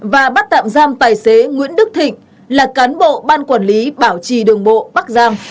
và bắt tạm giam tài xế nguyễn đức thịnh là cán bộ ban quản lý bảo trì đường bộ bắc giang